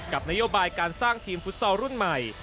นโยบายการสร้างทีมฟุตซอลรุ่นใหม่